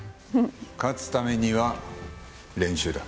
勝つためには練習だ。